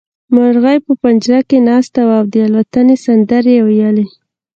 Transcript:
مرغۍ په پنجره کې ناسته وه او د الوتنې سندرې يې ويلې.